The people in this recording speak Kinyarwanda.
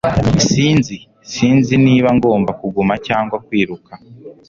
Sinzi Sinzi niba ngomba kuguma cyangwa kwiruka